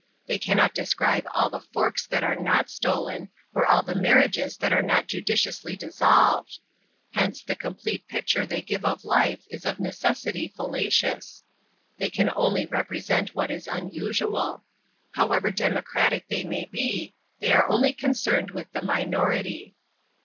They cannot describe all the forks that are not stolen, or all the marriages that are not judiciously dissolved. Hence the complete picture they give of life is of necessity fallacious; they can only represent what is unusual. However democratic they may be, they are only concerned with the minority.